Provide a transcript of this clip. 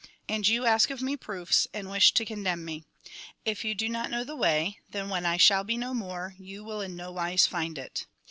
And you ask of me proofs, and wish to condemn me. If you do not know the way, then, when I shall be no more, you will in nowise find it.